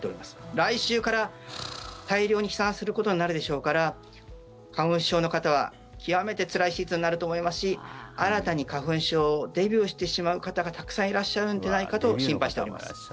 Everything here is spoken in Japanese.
来週から大量に飛散することになるでしょうから花粉症の方は、極めてつらいシーズンになると思いますし新たに花粉症デビューしてしまう方がたくさんいらっしゃるんじゃないかと心配しております。